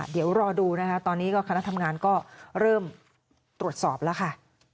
เดี๋ยวรอดูนะคะตอนนี้ก็คณะทำงานก็เริ่มตรวจสอบแล้วค่ะ